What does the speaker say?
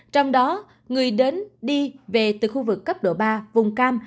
trong đó người đến đi về từ khu vực cấp độ ba vùng cam